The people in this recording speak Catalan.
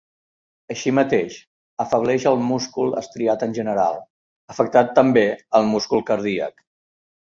Així mateix, afebleix al múscul estriat en general, afectant també el múscul cardíac.